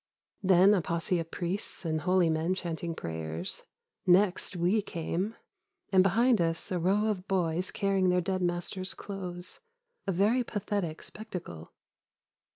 Then a posse of priests and holy men chanting prayers. Next we came, and behind us a row of boys carrying their dead master's clothes, a very pathetic spectacle.